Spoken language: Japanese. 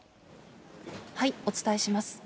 お伝えします。